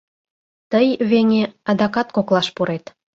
Тый, веҥе, адакат коклаш пурет.